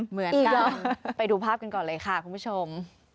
เหมือนกันไปดูภาพกันก่อนเลยค่ะคุณผู้ชม